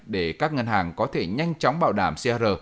để các ngân hàng có thể nhanh chóng bảo đảm cr